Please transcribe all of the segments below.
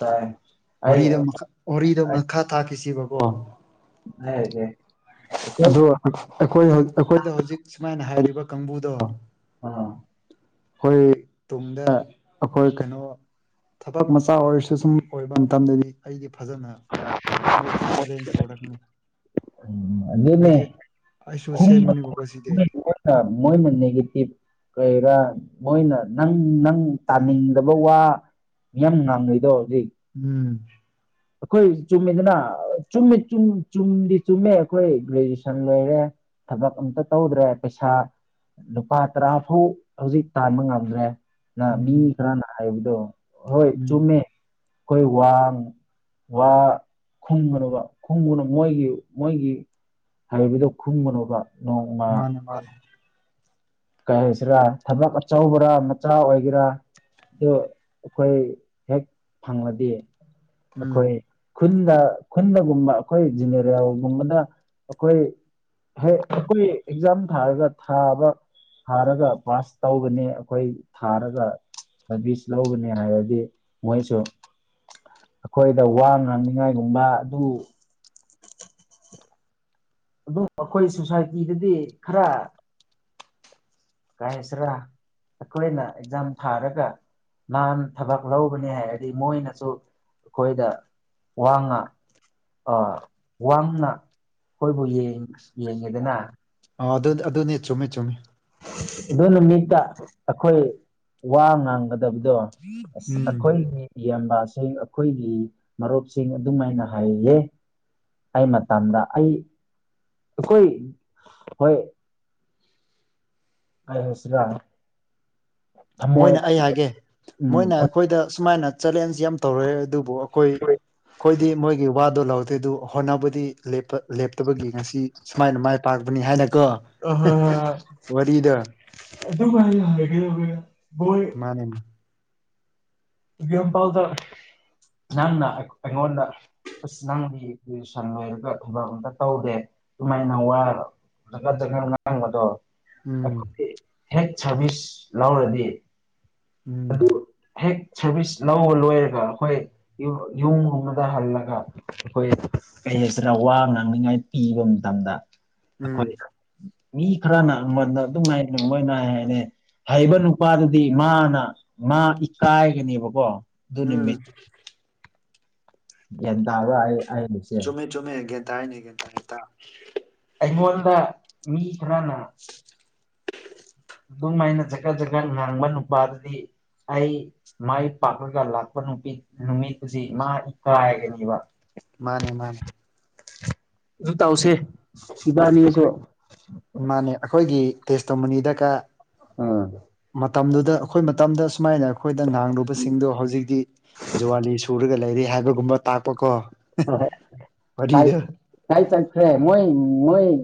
ꯇꯥꯏ ꯑꯩ ꯋꯥꯔꯤꯗ ꯑꯩ ꯃꯈꯥ ꯊꯥꯈꯤꯁꯤ ꯚꯒꯋꯥ [inaudible] ꯑꯩꯈꯣꯏ ꯑꯩꯈꯣꯏꯗ ꯍꯧꯖꯤꯛ ꯁꯨꯃꯥꯏꯅ ꯍꯥꯏꯔꯤꯕ ꯀꯥꯡꯕꯨꯗꯣ ꯑ ꯑꯩꯈꯣꯏ ꯇꯨꯡꯗ ꯑꯩꯈꯣꯏ ꯀꯩꯅꯣ ꯊꯕꯛ ꯃꯆꯥ ꯑꯣꯏꯔꯁꯨ ꯁꯨꯝ ꯑꯣꯏꯕ ꯃꯇꯝꯗꯗꯤ ꯑꯩꯗꯤ ꯐꯖꯅ ꯃꯣꯏꯁꯨ ꯆꯦꯂꯦꯟꯖ ꯊꯀꯅꯤ ꯎ ꯑꯗꯨꯅꯦ ꯑꯩꯁꯨ ꯁꯦꯝꯕꯅꯦꯕꯀꯣ ꯁꯤꯗꯤ ꯃꯣꯏ ꯃꯒꯦꯤꯚ ꯀꯩꯔꯥ ꯃꯣꯏꯅ ꯅꯪ ꯅꯪ ꯇꯥꯅꯤꯡꯗꯕ ꯋꯥ ꯃꯤꯌꯥꯝ ꯅꯨꯡ ꯉꯥꯡꯉꯩꯗꯣ ꯍꯧꯖꯤꯛ ꯎꯝ ꯑꯩꯈꯣꯏ ꯆꯨꯝꯃꯤꯗꯅ ꯆꯨꯝꯃꯤ ꯆꯨꯝꯗꯤ ꯆꯨꯝꯃꯦ ꯑꯩꯈꯣꯏ ꯒ꯭ꯔꯦꯖꯨꯦꯁꯟ ꯂꯣꯏꯔꯦ ꯊꯕꯛ ꯑꯝꯇ ꯇꯧꯗ꯭ꯔꯦ ꯄꯩꯁꯥ ꯂꯨꯄꯥ ꯇꯔꯥ ꯐꯥꯎ ꯍꯧꯖꯤꯛ ꯇꯥꯟꯕ ꯉꯝꯗ꯭ꯔꯦ ꯃꯤ ꯎꯝ ꯈꯔꯅ ꯍꯥꯏꯕꯗꯣ ꯍꯣꯏ ꯎꯝ ꯆꯨꯝꯃꯦ ꯑꯩꯈꯣꯏ ꯋꯥꯡ ꯋꯥ ꯈꯨꯝꯒꯨꯅꯕ ꯈꯣꯡꯒꯨꯅ ꯃꯣꯏꯒꯤ ꯃꯣꯏꯒꯤ ꯍꯥꯏꯔꯤꯕꯗꯨꯣ ꯈꯨꯝꯕꯅꯣꯕ ꯃꯥꯅꯦ ꯃꯥꯅꯦ ꯀꯩ ꯍꯥꯏꯁꯤꯔꯥ ꯊꯕꯛ ꯑꯆꯧꯕ꯭ꯔꯥ ꯃꯆꯥ ꯑꯣꯏꯒꯦꯔꯥ ꯑꯣ ꯑꯩꯈꯣꯏ ꯍꯦꯛ ꯐꯪꯂꯗꯤ ꯎꯝ ꯑꯩꯈꯣꯏ ꯈꯨꯟꯗ ꯈꯨꯟꯗꯒꯨꯝꯕ ꯑꯩꯈꯣꯏ ꯖꯤꯅꯦꯔꯤꯌꯥꯒꯨꯝꯕꯅ ꯑꯩꯈꯣꯏ ꯍ ꯑꯩꯈꯣꯏ ꯑꯦꯛꯖꯥꯝ ꯊꯥꯔꯒ ꯊꯥꯕ ꯊꯥꯔꯒ ꯄꯥꯁ ꯇꯒꯅꯤ ꯑꯩꯈꯣꯏ ꯊꯥꯔꯒ ꯁꯔꯚꯤꯁ ꯂꯧꯕꯅꯤ ꯍꯥꯏꯔꯗꯤ ꯃꯣꯏꯁꯨ ꯑꯩꯈꯣꯏꯗ ꯋꯥ ꯉꯥꯡꯅꯤꯉꯥꯏꯒꯨꯝꯕ ꯑꯗꯨ ꯑꯗꯨꯝ ꯑꯩꯈꯣꯏ ꯁꯣꯁꯥꯏꯇꯤꯗꯗꯤ ꯈꯔ ꯀꯥꯏꯁ꯭ꯔꯥ ꯑꯩꯈꯣꯏꯅ ꯑꯦꯛꯖꯥꯝ ꯊꯥꯔꯒ ꯂꯥꯟ ꯊꯕꯛ ꯂꯧꯕꯅꯦ ꯍꯥꯏꯔꯗꯤ ꯃꯣꯏꯅꯁꯨ ꯑꯩꯈꯣꯏꯗ ꯋꯥ ꯉꯥ ꯑ ꯋꯥꯡꯅ ꯑꯩꯈꯣꯏꯕꯨ ꯌꯦꯡꯉꯤꯗꯅ ꯑ ꯑꯗꯨ ꯑꯗꯨꯅꯤ ꯆꯨꯝꯃꯦ ꯆꯨꯝꯃꯦ ꯑꯗꯨ ꯅꯨꯃꯤꯠꯇ ꯑꯩꯈꯣꯏ ꯋꯥ ꯉꯥꯡꯒꯗꯕꯗꯣ ꯑꯁ ꯎꯝ ꯑꯩꯈꯣꯏꯒꯤ ꯌꯥꯝꯕꯥꯁꯤꯡ ꯑꯩꯈꯣꯏꯒꯤ ꯃꯔꯨꯞꯁꯤꯡ ꯑꯗꯨꯃꯥꯏꯅ ꯍꯥꯏꯌꯦ ꯑꯩ ꯃꯇꯝꯗ ꯑꯩ ꯑꯩꯈꯣꯏ ꯍꯣꯏ ꯑꯩ ꯍꯁꯥ ꯃꯣꯏꯅ ꯑꯩ ꯍꯥꯏꯒꯦ ꯎꯝ ꯃꯣꯏꯅ ꯑ ꯑꯩꯈꯣꯏꯗ ꯁꯨꯃꯥꯏꯅ ꯆꯦꯂꯦꯟꯖ ꯌꯥꯝ ꯇꯧꯔꯦ ꯑꯗꯨꯕꯨ ꯑꯩꯈꯣꯏ ꯍꯣꯏ ꯑꯩꯈꯣꯏꯗꯤ ꯃꯣꯏꯒꯤ ꯋꯥꯗꯣ ꯂꯧꯥꯎꯗꯦ ꯑꯗꯨ ꯍꯣꯠꯅꯕꯕꯨꯗꯤ ꯂꯦꯞꯇꯕꯒꯤ ꯉꯁꯤ ꯁꯨꯃꯥꯏꯅ ꯃꯥꯏ ꯄꯥꯛꯄꯅꯤ ꯍꯥꯏꯅꯒ ꯑ ꯑꯗꯨ ꯀ ꯍꯥꯏꯒꯣ ꯃꯥꯅꯦꯅꯦ ꯐꯥꯎꯗ ꯅꯟꯅꯉꯣꯅ ꯑꯁ ꯅꯪꯗꯤ ꯇꯨꯁꯟ ꯂꯣꯏꯔꯒ ꯊꯕꯛ ꯑꯝꯇ ꯇꯧꯗꯦ ꯑꯗꯨꯃꯥꯏꯅ ꯋꯥ ꯖꯒꯥꯠ ꯖꯒꯥꯠ ꯅꯅꯥꯕꯗꯣ ꯎꯝ ꯍꯦꯛ ꯁꯥꯔꯚꯤꯁ ꯂꯧꯔꯗꯤ ꯎꯝ ꯑꯗꯨ ꯍꯦꯛ ꯁꯔꯚꯤꯁ ꯂꯧꯕ ꯂꯣꯏꯔꯒ ꯑꯩꯈꯣꯏ ꯌꯨꯝ ꯍꯨꯝꯕꯗ ꯍꯜꯂꯒ ꯑꯩꯈꯣꯏ ꯀꯩ ꯍꯥꯏꯁꯤꯔꯥ ꯋꯥ ꯉꯥꯡꯅꯤꯡꯉꯥꯏ ꯄꯤꯕ ꯃꯇꯝꯗ ꯎꯝ ꯑꯩꯈꯣꯏ ꯃꯤ ꯈꯔꯅ ꯑꯩꯉꯣꯟꯗ ꯑꯗꯨꯝꯉꯥꯏ ꯃꯣꯏ ꯅꯥꯏ ꯍꯥꯏꯔꯦ ꯍꯩꯕ ꯅꯨꯄꯥꯗꯨꯗꯤ ꯃꯥꯅ ꯃꯥ ꯏꯀꯥꯏꯒꯅꯦꯕꯀꯣ ꯑꯗꯨ ꯎꯝ ꯑꯦ ꯆꯃꯦ ꯀꯦꯇ ꯀꯇ ꯅ ꯇ ꯑꯩꯉꯣꯟꯗ ꯃꯤ ꯈꯔꯅ ꯍꯦꯝꯝ [unintelligible] ꯑꯗꯨꯝ ꯍꯥꯏꯥꯏꯅ ꯖꯀꯠ ꯖꯈꯠ ꯉꯥꯡꯕ ꯅꯨꯄꯥꯗꯨꯗꯤ ꯑꯩ ꯃꯥꯏ ꯄꯥꯛꯂꯒ ꯂꯥꯛꯄ ꯅꯨꯄꯤ ꯅꯨꯃꯤꯠꯇꯨꯗꯤ ꯃꯥ ꯏꯀꯥꯏꯒꯅꯦꯕ ꯃꯥꯅꯦ ꯃꯥꯅꯦ ꯑꯗꯨ ꯇꯧꯁꯦ ꯏꯕꯥꯅꯤꯁꯨ ꯑꯩꯈꯣꯏ ꯃꯥꯅꯦ ꯑꯩꯈꯣꯏꯒꯤ ꯇꯦꯁꯇꯣꯃꯅꯤꯗꯒ ꯑꯥ ꯃꯇꯝꯗꯨꯗ ꯑꯩꯈꯣꯏ ꯃꯇꯝꯗ ꯁꯨꯃꯥꯏꯅ ꯑꯩꯈꯣꯏꯗ ꯉꯥꯡꯂꯨꯕꯁꯤꯡꯗꯣ ꯍꯧꯖꯤꯛꯇꯤ ꯖꯨꯋꯥꯂꯤ ꯁꯨꯔꯒ ꯂꯩꯔꯦ ꯍꯥꯏꯕꯒꯨꯝꯕ ꯇꯥꯛꯄ ꯀꯣ ꯍꫭꯏ ꯍꫭꯏ ꯀꯥꯏ ꯀꯥꯏ ꯆꯠꯈꯔꯦ ꯃꫭꯏ ꯃꫭꯏ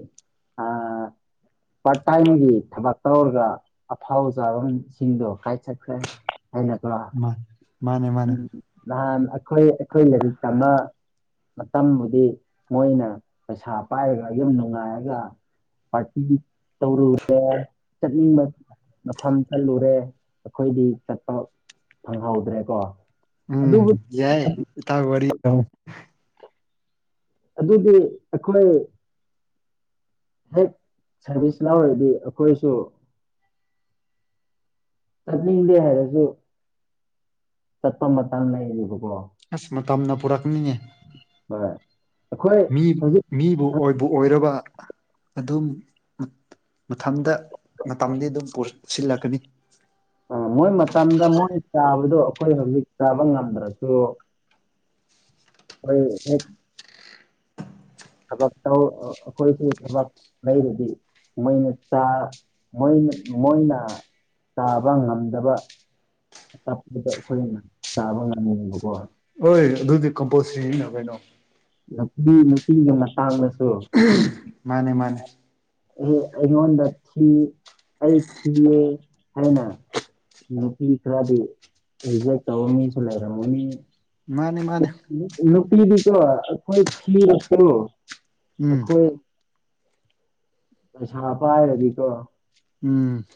ꯄꯥꯔꯠ ꯇꯥꯏꯝꯒꯤ ꯊꯕꯛ ꯇꯧꯔꯒ ꯑꯐꯥꯎꯕ ꯁꯥꯕꯁꯤꯡꯗꯣ ꯀꯥꯏꯆꯠꯈ꯭ꯔꯦ ꯍꯥꯏꯅꯕꯣ ꯃꯥ ꯃꯥꯅꯦ ꯃꯥꯅꯦ ꯎꯝ ꯅꯍꯥꯟ ꯑꯩꯈꯣꯏ ꯑꯩꯈꯣꯏ ꯂꯥꯏꯔꯤꯛꯇ ꯑꯃ ꯃꯇꯝꯕꯨꯗꯤ ꯃꯣꯏꯅ ꯄꯩꯁꯥ ꯄꯥꯏꯔꯒ ꯌꯨꯝ ꯅꯨꯡꯉꯥꯏꯔꯒ ꯄꯥꯔꯇꯤ ꯇꯧꯔꯨꯔꯦ ꯆꯠꯅꯤꯡꯕ ꯃꯐꯝ ꯆꯠꯂꯨꯔꯦ ꯑꯩꯈꯣꯏꯗꯤ ꯆꯠꯄ ꯐꯪꯍꯧꯗ꯭ꯔꯦꯀꯣ ꯎꯝ ꯑꯗꯨꯕꯨ ꯌꯥꯏ ꯏꯇꯥꯎ ꯋꯥꯔꯤ ꯑꯗꯨꯗꯤ ꯑꯩꯈꯣꯏ ꯍꯦꯛ ꯁꯥꯔꯚꯤꯁ ꯂꯥꯎꯔꯗꯤ ꯑꯩꯈꯣꯏꯁꯨ ꯆꯠꯅꯤꯡꯗꯦ ꯍꯥꯏꯔꯁꯨ ꯆꯠꯄ ꯃꯇꯝ ꯂꯩꯔꯤꯕꯀꯣ ꯑꯁ ꯃꯇꯝꯅ ꯄꯨꯔꯛꯅꯤꯅꯦ ꯍꫭꯏ ꯑꯩꯈꫭꯏ ꯃꯤ ꯃꯤꯕꯨ ꯑꯣꯏꯕꯨ ꯑꫭꯏꯔꯕ ꯑꯗꯨꯝ ꯃꯊꯟꯗ ꯃꯇꯝꯗꯤ ꯑꯗꯨꯝ ꯁꯤꯜꯂꯛꯀꯅꯤ ꯎꯝ ꯃꯣꯏ ꯃꯇꯝꯗ ꯃꯣꯏ ꯆꯥꯕꯗꯣ ꯑꯩꯈꯣꯏ ꯍꯧꯖꯤꯛ ꯆꯥꯕ ꯉꯝꯗ꯭ꯔꯁꯨ ꯑꯩꯣꯏ [unintelligible] ꯊꯕꯛ ꯇꯧ ꯑꯩꯈꯣꯏꯁꯨ ꯊꯕꯛ ꯂꯩꯔꯗꯤ ꯃꯣꯏꯅ ꯃꯆꯥꯥ ꯃꫭꯏ ꯃꯣꯏꯅ ꯇꯥꯕ ꯉꯝꯗꯕ ꯆꯞꯄꯗ ꯑꯩꯈꯣꯏꯅ ꯆꯥꯕ ꯉꯝꯃꯦꯕꯀꯣ ꯍꯣꯏ ꯑꯗꯨꯗꯤ ꯀꯝꯄꯜꯁꯤꯔꯤꯅꯤ ꯀꯩꯅꯣ ꯅꯨꯄꯤ ꯅꯨꯄꯤꯒꯤ ꯃꯇꯥꯡꯗꯁꯨ ꯃꯥꯅꯦ ꯃꯥꯅꯦ ꯑꯦ ꯑꯩꯉꯣꯟꯗ ꯊꯤ ꯑꯩ ꯊꯌꯦ ꯍꯥꯏꯅ ꯅꯨꯄꯤ ꯈꯔꯗꯤ ꯔꯤꯖꯦꯛ ꯇꯧꯔ ꯃꯤꯁꯨ ꯂꯩꯔꯝꯃꯅꯤ ꯃꯥꯅꯦ ꯃꯥꯅꯦ ꯅꯨꯄꯤꯗꯤꯀꯣ ꯑꯩꯈꯣꯏ ꯊꯤꯔꯁꯨꯨ ꯎꯝ ꯑꯩꯈꯣꯏ ꯄꯩꯁꯥ ꯄꯥꯏꯔꯗꯤꯀꯣ ꯎꯝ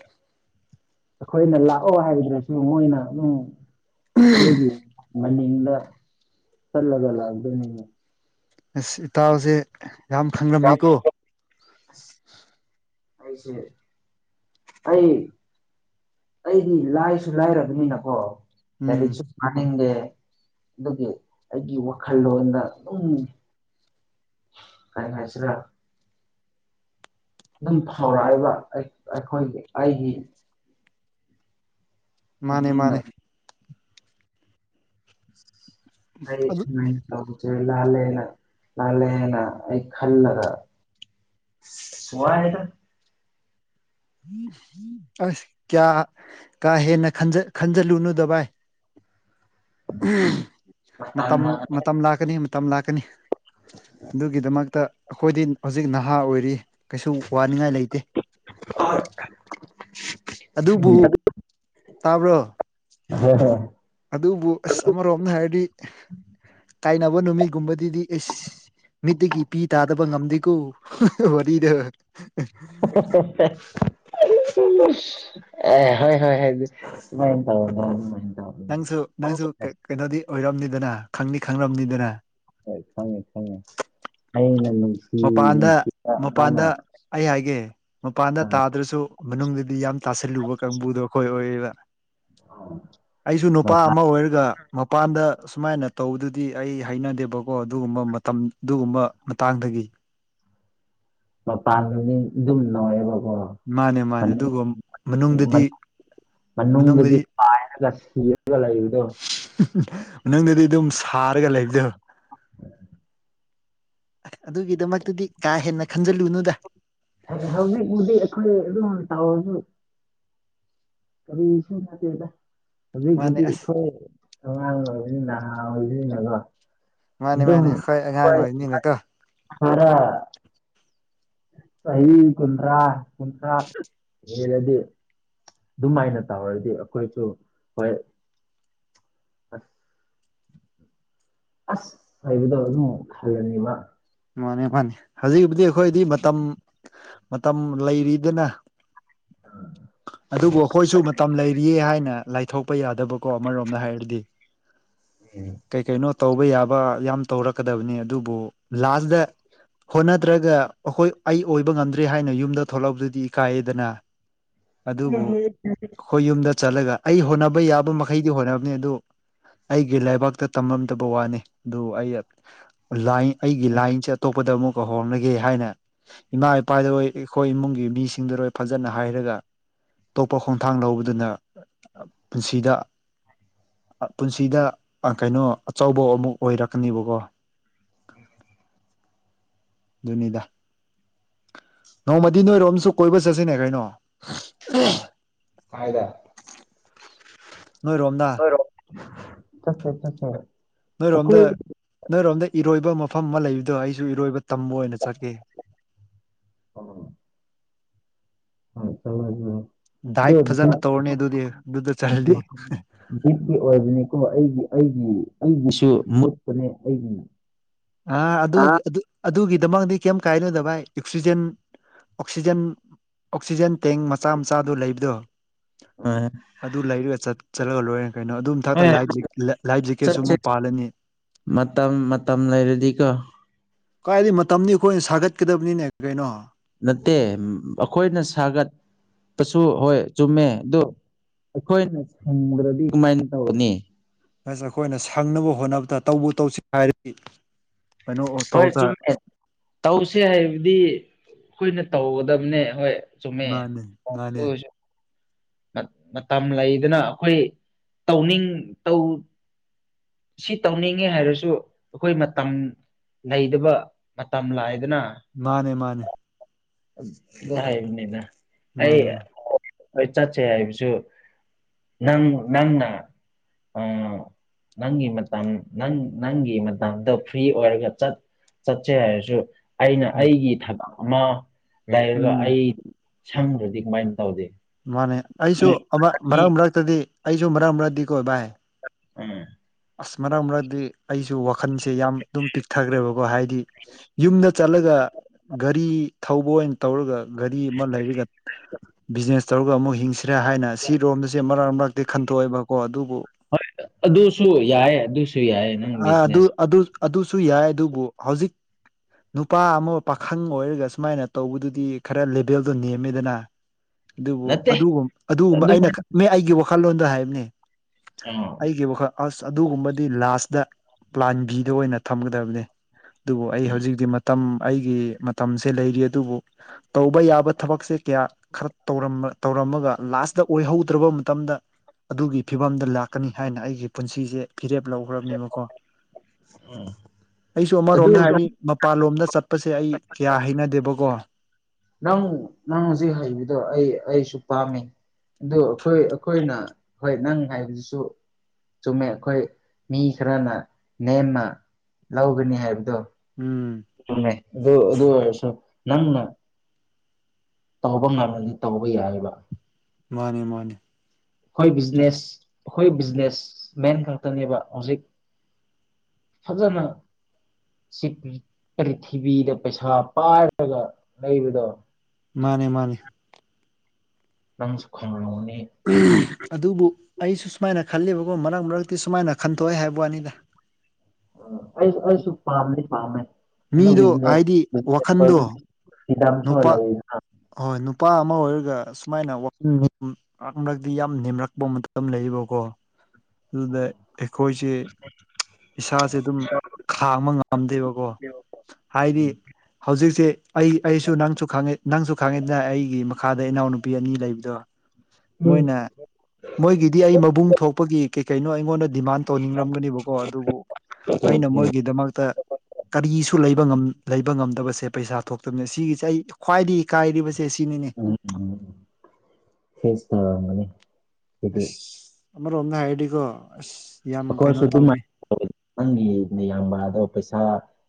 ꯑꯩꯈꯣꯏꯅ ꯂꯥꯛꯑꯣ ꯍꯥꯏꯕꯗꯔꯁꯨ ꯃꯣꯏꯅ ꯑꯗꯨꯝ ꯑꯩꯈꯣꯏꯒꯤ ꯃꯅꯤꯡꯗ ꯆꯠꯂꯒ ꯂꯥꯛꯗꯣꯏꯅꯤꯅꯦ ꯑꯁ ꯏꯇꯥꯎꯁꯦ ꯌꯥꯝ ꯈꯪꯂꯝꯃꯤꯀꯣ ꯑꯩꯁꯦ ꯑꯩ ꯑꯩꯗꯤ ꯂꯥꯏꯁꯨ ꯂꯥꯏꯔꯕꯅꯤꯅꯀꯣ ꯎꯝ ꯂꯥꯏꯔꯤꯛꯁꯨ ꯄꯥꯅꯤꯡꯗꯦ ꯑꯗꯨꯒꯤ ꯑꯩꯒꯤ ꯋꯥꯈꯜꯂꯣꯟꯗ ꯑꯗꯨꯝ ꯀꯩ ꯍꯥꯏꯁꯤ꯭ꯔꯥ ꯑꯗꯨꯝ ꯐꯥꯎꯔꯛꯏꯕ ꯑꯩ ꯑꯩꯈꯣꯏꯒꯤ ꯑꯩꯒꯤ ꯃꯥꯅꯦ ꯄꯨꯛꯅꯤꯡꯅ ꯃꯥꯅꯦ ꯑꯩ ꯑꯗꯨ ꯁꯨꯃꯥꯏ ꯂꯧꯁꯦ ꯂꯥꯜꯂꯦꯅ ꯂꯥꯜꯂꯦꯅ ꯑꯩ ꯈꯜꯂꯒ ꯑꯁ ꯋꯥꯏꯗ ꯑꯁ ꯀꯌꯥ ꯀꯥ ꯍꯦꯟꯅ ꯈꯟꯖꯜꯂꯨꯅꯨꯗ ꯚꯥꯏ ꯃꯇꯝ ꯃꯇꯝꯅ ꯃꯇꯝ ꯂꯥꯛꯀꯅꯤ ꯃꯇꯝ ꯂꯥꯛꯀꯅꯤ ꯑꯗꯨꯒꯤꯗꯃꯛꯇ ꯑꯩꯈꯣꯏꯗꯤ ꯍꯧꯖꯤꯛ ꯅꯍꯥ ꯑꯣꯏꯔꯤ ꯀꯩꯁꯨ ꯋꯥꯅꯤꯡꯉꯥꯏ ꯂꯩꯇꯦ ꯑꯗꯨꯕꯨ ꯇꯥꯕ꯭ꯔꯣ [unintelligible] ꯑꯗꯨꯕꯨ ꯑꯁ ꯑꯃꯔꯣꯝꯅ ꯍꯥꯏꯔꯗꯤ ꯇꯥꯏꯅꯕ ꯅꯨꯃꯤꯠꯒꯨꯝꯕꯗꯨꯗꯤ ꯑꯩꯁ ꯃꯤꯠꯇꯒꯤ ꯄꯤ ꯇꯥꯗꯕ ꯉꯝꯗꯦꯀꯣ ꯋꯥꯔꯤꯗ [unintelligible] ꯑꯦ ꯍꯣꯏ ꯍꯣꯏ [unintelligible] ꯅꯪꯁꯨ ꯅꯪꯁꯨ ꯑꯁ ꯀꯩꯅꯣꯗꯤ ꯑꯣꯏꯔꯝꯅꯤꯗꯅ ꯈꯪꯗꯤ ꯈꯪꯔꯝꯅꯤꯗꯅ ꯍꯣꯏ ꯈꯪꯉꯦ ꯈꯪꯉꯦ ꯑꯩꯅ ꯅꯨꯡꯁꯤ ꯃꯄꯥꯟꯗ ꯅꯨꯡꯁꯤꯗ ꯃꯥꯅ ꯃꯄꯥꯟꯗ ꯑꯩ ꯍꯥꯏꯒꯦ ꯃꯄꯥꯟꯗ ꯇꯥꯗ꯭ꯔꯁꯨ ꯃꯅꯨꯡꯗꯗꯤ ꯌꯥꯝ ꯇꯥꯁꯜꯂꯨꯕ ꯀꯥꯡꯕꯨꯗꯣ ꯑꯩꯈꯣꯏ ꯑꯣꯏꯌꯦꯕ ꯑꯩꯁꯨ ꯅꯨꯄꯥ ꯃꯄꯥꯟ ꯑꯃ ꯑꯣꯏꯔꯒ ꯃꯄꯥꯟꯗ ꯁꯨꯃꯥꯏꯅ ꯇꯧꯕꯗꯨꯗꯤ ꯑꯩ ꯍꯩꯅꯗꯦꯕꯀꯣ ꯑꯗꯨꯒꯨꯝꯕ ꯃꯇꯝ ꯑꯗꯨꯒꯨꯝꯕ ꯃꯇꯥꯡꯗꯒꯤ ꯃꯄꯥꯟꯗꯨꯅꯤ ꯑꯗꯨꯝ ꯅꯧꯑꯦꯕꯀꯣ ꯃꯥꯅꯦ ꯃꯥꯅꯦ ꯑꯗꯨꯒ ꯃꯅꯨꯡꯗꯗꯤ ꯃꯅꯨꯡꯗꯗꯤ ꯄꯥꯏꯅ ꯀ ꯁꯤꯒ ꯂꯥꯏꯗꯣ ꯃꯅꯨꯡꯗꯗꯤ ꯑꯗꯨꯝ ꯁꯥꯔꯒ ꯂꯩꯕꯗ ꯑꯗꯨꯒꯤꯗꯃꯛꯇꯗꯤ ꯀꯥ ꯍꯦꯟꯅ ꯈꯟꯖꯤꯜꯂꯨꯅꯨꯗ ꯍꯧꯖꯤꯛꯕꯨꯨꯗꯤ ꯑꯩꯈꯣꯏ ꯑꯗꯨꯝ ꯇꯧꯔꯁꯨ ꯀꯔꯤꯁꯨ ꯆꯇꯦꯗ ꯃꯥꯅꯦ ꯍꯧꯖꯤꯛꯕꯨꯗꯤ ꯑꯁ ꯑꯩꯈꯣꯏ [unintelligible] ꯑꯗꯨ ꯃꯥꯅꯦ ꯑꯗꯨꯝ ꯃꯥꯅꯦ ꯍꯣꯏ ꯑꯉꯥꯡ ꯑꯣꯏꯕꯅꯤꯅꯀꯣ ꯍꯔ ꯆꯍꯤ ꯀꯨꯟꯊ꯭ꯔꯥ ꯀꯨꯟꯊ꯭ꯔꯥ ꯍꯔꯗꯤ ꯑꯗꯨꯝꯥꯏꯅ ꯇꯧꯔꯗꯤ ꯑꯩꯈꯣꯏꯁꯨ ꯍꯣꯏ ꯑꯁ ꯑꯁ ꯍꯥꯏꯕꯗꯣ ꯑꯗꯨꯝ ꯈꯜꯂꯅꯤꯕ ꯃꯥꯅꯤ ꯃꯥꯅꯤ ꯍꯧꯖꯤꯛꯕꯨꯗꯤ ꯑꯩꯈꯣꯏꯗꯤ ꯃꯇꯝ ꯃꯇꯝ ꯂꯩꯔꯤꯗꯅ ꯑꯗꯨꯕꯨ ꯑꯩꯈꯣꯏꯁꯨ ꯃꯇꯝ ꯂꯩꯔꯤꯌꯦ ꯍꯥꯏꯅ ꯂꯥꯏꯊꯣꯛꯄ ꯌꯥꯗꯕꯀꯣ ꯑꯃꯔꯣꯝꯗ ꯍꯥꯏꯔꯗꯤ [unintelligible] ꯀꯩ ꯀꯩꯅꯣ ꯇꯧꯕ ꯌꯥꯕ ꯌꯥꯝ ꯇꯧꯔꯛꯀꯗꯕꯅꯤ ꯑꯗꯨꯕꯨ ꯂꯥꯁꯗ ꯍꯣꯠꯅꯗ꯭ꯔꯒ ꯑꯩꯈꯣꯏ ꯑꯩ ꯑꯣꯏꯕ ꯉꯝꯗ꯭ꯔꯦ ꯍꯥꯏꯅ ꯌꯨꯝꯗ ꯊꯣꯛꯂꯛꯕꯗꯨꯗꯤ ꯏꯀꯥꯏꯌꯦꯗꯅ ꯑꯗꯨꯕꯨ ꯑꯩꯈꯣꯏ ꯌꯨꯝꯗ ꯆꯠꯂꯒ ꯑꯩ ꯍꯣꯠꯅꯕ ꯌꯥꯕ ꯃꯈꯩꯗꯤ ꯍꯣꯠꯅꯕꯅꯤ ꯑꯗꯨ ꯑꯩꯒꯤ ꯂꯩꯕꯥꯛꯇ ꯇꯝꯃꯝꯗꯕ ꯋꯥꯅꯤ ꯑꯗꯨ ꯑꯩ ꯂꯥꯏꯟ ꯑꯩꯒꯤ ꯂꯥꯏꯟꯁꯦ ꯑꯇꯣꯞꯄꯗ ꯑꯃꯨꯛꯀ ꯍꯣꯡꯅꯒꯦ ꯍꯥꯏꯅ ꯏꯃꯥ ꯏꯄꯥꯗꯣꯏ ꯑꯩꯈꯣꯏ ꯏꯃꯨꯡꯒꯤ ꯃꯤꯁꯤꯡꯗꯔꯣꯏ ꯐꯖꯅ ꯍꯥꯏꯔꯒ ꯑꯇꯣꯞꯄ ꯈꯣꯡꯊꯥꯡ ꯂꯧꯕꯗꯨꯅ ꯄꯨꯟꯁꯤꯗ ꯄꯨꯟꯁꯤꯗ ꯀꯩꯅꯣ ꯑꯆꯧꯕ ꯑꯃꯨꯛ ꯑꯣꯏꯔꯛꯀꯅꯦꯕꯀꯣ ꯖꯅꯤꯗ ꯅꯣꯡꯃꯗꯤ ꯅꯣꯏꯔꯣꯝꯁꯨ ꯀꯣꯏꯕ ꯆꯠꯁꯤꯅꯦ ꯀꯩꯅꯣ ꯀꯥꯏꯗ ꯅꯣꯏꯔꯣꯝꯗ ꯍꯔꯣ ꯆꯁꯦ ꯆꯁ ꯅꯣꯏꯔꯣꯝꯗ ꯅꯣꯏꯔꯣꯝꯗ ꯏꯔꯣꯏꯕ ꯃꯐꯝ ꯑꯃ ꯂꯩꯕꯗꯣ ꯑꯩꯁꯨ ꯏꯔꯣꯏꯕ ꯇꯝꯕ ꯑꯣꯏꯅ ꯆꯠꯀꯦ [unintelligible] ꯗꯥꯏꯠ ꯐꯖꯅ ꯇꯧꯔꯅꯤ ꯑꯗꯨꯗꯤ ꯑꯗꯨꯗ ꯆꯠꯂꯗꯤ [unintelligible] ꯠꯀꯤ ꯑꯣꯏꯕꯅꯤꯀꯣ ꯑꯩꯒꯤ ꯑꯩꯒꯤ ꯑꯩꯒꯤꯁꯨ ꯃꯨꯄꯅꯦ ꯑꯩꯒꯤ ꯑ ꯑꯗꯨꯒꯤ ꯑꯗꯨꯒꯤꯗꯃꯗꯤ ꯀꯩꯝ ꯀꯥꯏꯅꯣꯗꯚꯥꯏ ꯑꯣꯛꯁꯤꯖꯦꯟ ꯑꯣꯛꯁꯤꯖꯦꯟ ꯑꯣꯛꯁꯤꯖꯦꯟ ꯇꯦꯡ ꯃꯆꯥ ꯃꯆꯥꯗꯨ ꯂꯩꯕꯗꯣ [unintelligible] ꯑꯗꯨ ꯂꯩꯔꯒ ꯆꯠꯂꯒ ꯂꯣꯏꯔꯦ ꯀꯩꯅꯣ ꯑꯗꯨ ꯃꯊꯛꯇ ꯑꯦ ꯂꯥꯏ ꯂꯥꯏꯐ ꯖꯦꯛꯀꯦꯠꯁꯨ ꯆꯠꯁꯦ ꯑꯃ ꯄꯥꯜꯂꯅꯤ ꯃꯇꯝ ꯃꯇꯝ ꯂꯩꯔꯗꯤꯀꯣ ꯀꯥꯏꯗ ꯃꯇꯝ ꯑꯩꯈꯣꯏꯅ ꯁꯥꯒꯠꯀꯗꯕꯅꯤꯅꯦ ꯀꯩꯅꯣ ꯅꯠꯇꯦ ꯑꯩꯈꯣꯏꯅ ꯁꯥꯒꯠ ꯁꯨ ꯍꯣꯏ ꯆꯨꯝꯃꯦ ꯑꯗꯨꯣ ꯑꯩꯈꯣꯏꯅ ꯁꯪꯕ꯭ꯔꯗꯤ ꯀꯃꯥꯏꯅ ꯇꯧꯅꯤ ꯁ ꯑꯩꯈꯣꯏꯅ ꯁꯪꯅꯕ ꯍꯣꯠꯅꯕꯗ ꯇꯧꯕ ꯇꯧꯁꯤ ꯍꯥꯏꯔꯗꯤ ꯀꯩꯅꯣ ꯇꯧ ꯍꯣꯏ ꯆꯨꯝꯃꯦ ꯇꯧꯁꯦ ꯍꯥꯏꯕꯗꯤ ꯑꯩꯈꯣꯏꯅ ꯇꯧꯒꯗꯕꯅꯦ ꯍꯣꯏ ꯆꯨꯝꯃꯦ ꯃꯥꯅꯦ ꯃꯥꯅꯦ ꯑꯗꯨ ꯑꯣꯏꯔꯁꯨ ꯃꯇꯝ ꯂꯩꯗꯅ ꯑꯩꯈꯣꯏ ꯇꯧꯅꯤꯡ ꯇꯧ ꯁꯤ ꯇꯧꯅꯤꯡꯉꯦ ꯍꯥꯏꯔꯁꯨ ꯑꯩꯈꯣꯏ ꯃꯇꯝ ꯂꯩꯗꯕ ꯃꯇꯝ ꯂꯥꯛꯗꯅ ꯃꯥꯅꯦ ꯃꯥꯅꯦ ꯅꯤꯗ ꯑꯩ ꯃꯥꯅꯦ ꯃꯥꯅꯦ ꯑꯩ ꯆꯠꯁꯦ ꯍꯥꯏꯕꯁꯨ ꯅꯪ ꯅꯪꯅ ꯅꯪꯒꯤ ꯃꯇꯝ ꯅꯪ ꯅꯪꯒꯤ ꯃꯇꯝꯗꯣ ꯐ꯭ꯔꯤ ꯑꯣꯏꯔꯒ ꯆꯠ ꯆꯆꯦ ꯍꯥꯏꯁꯨ ꯑꯩꯅ ꯎꯝ ꯑꯩꯒꯤ ꯊꯕꯛ ꯑꯃ ꯂꯩꯔꯒ ꯎꯝ ꯑꯩ ꯁꯪꯈ꯭ꯔꯗꯤ ꯀꯃꯥꯏꯅ ꯇꯧꯗꯦ ꯃꯥꯅꯦ ꯑꯩꯁꯨ ꯑꯃ ꯃꯔꯛ ꯃꯔꯛꯇꯗꯤ ꯑꯩꯁꯨ ꯃꯔꯛ ꯃꯔꯛꯇꯗꯤ ꯀꯣꯏꯕ ꯍꯥꯏ ꯎꯝ ꯑꯁ ꯃꯔꯛ ꯃꯔꯛꯇ ꯑꯩꯁꯨ ꯋꯥꯈꯜꯁꯦ ꯌꯥꯝ ꯑꯗꯨꯝ ꯄꯤꯛꯊꯈ꯭ꯔꯦꯕꯀꯣ ꯍꯥꯏꯗꯤ ꯌꯨꯝꯗ ꯆꯠꯂꯒ ꯒꯥꯔꯤ ꯊꯧꯕ ꯑꯣꯏꯅ ꯇꯧꯔꯒ ꯘꯔꯤ ꯑꯃ ꯂꯩꯔꯒ ꯕꯤꯖꯤꯅꯦꯁ ꯇꯧꯔꯒ ꯑꯃꯨꯛ ꯍꯤꯡꯁꯤꯔꯦ ꯍꯥꯏꯅ ꯁꯤꯔꯣꯝꯗꯁꯦ ꯃꯔꯛ ꯃꯔꯛ ꯗꯗꯤ ꯈꯟꯇꯣꯛꯑꯦꯕꯀꯣ ꯑꯗꯨꯕꯨ ꯍꯣꯏ ꯑꯗꯨꯁꯨ ꯌꯥꯏ ꯑꯗꯨꯁꯨ ꯌꯥꯏꯌꯦ ꯑ ꯑꯗꯨ ꯑꯗꯨꯁꯨ ꯌꯥꯏ ꯑꯗꯨꯕꯨ ꯍꯧꯖꯤꯛ ꯅꯨꯄꯥ ꯑꯃ ꯄꯥꯈꯪ ꯑꯣꯏꯔꯒ ꯁꯨꯃꯥꯏꯅ ꯇꯧꯕꯗꯨꯗꯤ ꯈꯔ ꯂꯦꯕꯦꯜꯗꯣ ꯅꯦꯝꯃꯦꯗꯅ ꯑꯗꯨꯕꯨ ꯅꯠꯇꯦ ꯑꯗꯨꯒ ꯑꯗꯨꯒꯨꯝꯕ ꯑꯩꯅ ꯑꯗꯨꯃꯥꯏꯅ ꯃꯤ ꯑꯩꯒꯤ ꯋꯥꯈꯜꯂꯣꯟꯗ ꯍꯥꯏꯕꯅꯦ ꯑ ꯑꯩꯒꯤ ꯋꯥꯈꯜ ꯑꯁ ꯑꯗꯨꯒꯨꯝꯕꯗꯤ ꯂꯥꯁꯇ ꯄ꯭ꯂꯥꯟꯕꯤꯗ ꯑꯣꯏꯅ ꯊꯝꯒꯗꯕꯅꯦ ꯑꯗꯨꯕꯨ ꯑꯩ ꯎꯝ ꯍꯧꯖꯤꯛꯇꯤ ꯃꯇꯝ ꯑꯩꯒꯤ ꯃꯇꯝꯁꯦ ꯂꯩꯔꯤ ꯑꯗꯨꯕꯨ ꯇꯧꯕ ꯌꯥꯕ ꯊꯕꯛꯁꯦ ꯀꯌꯥ ꯈꯔꯧꯔ ꯇꯧꯔꯝꯃꯒ ꯂꯥꯁꯇ ꯑꯣꯏꯍꯧꯗ꯭ꯔꯕ ꯃꯇꯝꯗ ꯑꯗꯨꯒꯤ ꯐꯤꯕꯝꯗ ꯂꯥꯛꯀꯅꯤ ꯍꯥꯏꯅ ꯑꯩꯒꯤ ꯄꯨꯟꯁꯤꯁꯦ ꯐꯤꯔꯦꯞ ꯂꯧ ꯍꯧꯅꯦꯕꯀꯣ ꯎꯝ ꯑꯩꯁꯨ ꯑꯗꯨ ꯑꯃꯔꯣꯝꯗ ꯍꯥꯏꯔꯗꯤ ꯃꯄꯥꯟꯂꯣꯝꯗ ꯆꯠꯄꯁꯦ ꯑꯩ ꯀꯌꯥ ꯍꯩꯅꯗꯦꯕꯀꯣ ꯅꯪ ꯅꯪ ꯍꯧꯖꯤꯛ ꯍꯩꯕꯗꯣ ꯑꯩ ꯑꯩꯁꯨ ꯄꯥꯝꯃꯤ ꯑ ꯑꯩꯈꯣꯏ ꯑꯩꯈꯣꯏꯅ ꯍꯣꯏ ꯅꯪ ꯍꯥꯏꯕꯗꯨꯁꯨ ꯆꯨꯝꯃꯦ ꯑꯩꯈꯣꯏ ꯃꯤ ꯈꯔꯅ ꯅꯦꯝꯃ ꯂꯧꯒꯅꯤ ꯍꯥꯏꯕꯗꯣ ꯎꯝ ꯁꯃꯦ ꯑꯗꯨ ꯑꯗꯨ ꯅꯪ ꯇꯧꯕ ꯉꯝꯂꯗꯤ ꯇꯧꯕ ꯌꯥꯏꯕ ꯃꯥꯅꯦ ꯃꯥꯅꯦ ꯑꯩꯈꯣꯏ ꯕꯤꯖꯤꯅꯦꯁ ꯑꯩꯈꯣꯏ ꯕꯤꯖꯤꯅꯦꯁ ꯃꯦꯟ ꯈꯛꯇꯅꯦꯕ ꯍꯧꯖꯤꯛ ꯐꯖꯅ ꯄ꯭ꯔꯤꯊꯤꯕꯤꯗ ꯄꯩꯁꯥ ꯄꯥꯏꯔꯒ ꯂꯩꯕꯗꯣ ꯃꯥꯅꯦ ꯃꯥꯅꯦ ꯅꯪꯁꯨ ꯈꯪꯍꯅꯤ ꯑꯗꯨꯕꯨ ꯑꯩꯁꯨ ꯁꯨꯃꯥꯏꯅ ꯈꯜꯂꯤꯕꯀꯣ ꯃꯔꯛ ꯃꯔꯛꯇꯤ ꯁꯨꯃꯥꯏꯅ ꯈꯟꯊꯣꯛꯑꯦ ꯍꯥꯏꯕ ꯋꯥꯅꯤꯗ ꯑꯩꯁꯨ ꯑꯩꯁꯨ ꯄꯥꯝꯅꯤ ꯄꯥꯝꯃꯦ ꯃꯤꯗꯣ ꯑꯗꯨꯕꯤꯅꯦ ꯍꯥꯏꯗꯤ ꯋꯥꯈꯟꯗꯣ ꯁꯤꯗꯥꯝꯁꯨ ꯋꯥꯂ ꯅꯨꯄꯥ ꯍꯣꯏ ꯅꯨꯄꯥ ꯑꯃ ꯑꯣꯏꯔꯒ ꯁꯨꯃꯥꯏꯅ ꯋꯥꯈꯜ ꯃꯔ ꯃꯔꯛꯇꯤ ꯌꯥꯝ ꯅꯦꯝꯔꯛꯄ ꯃꯇꯝ ꯂꯩꯕꯀꯣ ꯑꯗꯨꯗ ꯑꯩꯈꯣꯏꯁꯦ ꯏꯁꯥꯁꯦ ꯑꯗꯨꯝ ꯈꯥꯡꯕ ꯉꯝꯗꯦꯕꯀꯣ ꯍꯥꯏꯗꯤ ꯍꯧꯖꯤꯛꯁꯦ ꯑꯩ ꯑꯩꯁꯨ ꯅꯪꯁꯨ ꯈꯪꯉꯦ ꯅꯪꯁꯨ ꯈꯪꯉꯦꯗꯅ ꯑꯩꯒꯤ ꯃꯈꯥꯗ ꯏꯅꯥꯎꯅꯨꯄꯥ ꯅꯨꯄꯤ ꯑꯅꯤ ꯂꯩꯕꯗꯣ ꯃꯣꯏꯅ ꯃꯣꯏꯒꯤꯗꯤ ꯑꯩ ꯃꯕꯨꯡ ꯊꯣꯛꯄꯒꯤ ꯀꯩ ꯀꯩꯅꯣ ꯑꯩꯉꯣꯟꯗ ꯗꯤꯃꯥꯟ ꯇꯧꯅꯤꯡꯔꯝꯒꯅꯤꯕꯀꯣ ꯑꯗꯨꯕꯨ ꯑꯩꯅ ꯃꯣꯏꯒꯤꯗꯃꯛꯇ ꯀꯔꯤꯁꯨ ꯂꯩ ꯂꯩꯕ ꯉꯝꯗꯕꯁꯦ ꯄꯩꯁꯥ ꯊꯣꯛꯇꯕꯅꯦ ꯁꯤꯒꯤꯁꯦ ꯑꯩ ꯈ꯭ꯋꯥꯏꯗꯒꯤ ꯏꯀꯥꯏꯔꯤꯕꯁꯤ ꯎꯝ ꯎꯝ ꯐꯦꯁ ꯇꯧꯔꯔꯝꯒꯅꯤ ꯍꯥꯏꯗꯤ ꯑ ꯑꯣꯒꯥ ꯍꯥꯏꯥꯏꯗꯤ ꯀ [inaudible] ꯑꯩꯈꯣꯏꯁꯨ ꯑꯗꯨꯃꯥꯢꯅ ꯅꯪꯒꯤ ꯅꯌꯥꯝꯕꯗꯣ ꯄꯩꯁꯥ